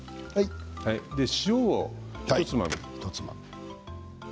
塩をひとつまみ。